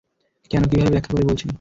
কেন, কীভাবে ব্যাখ্যা করে বলছি!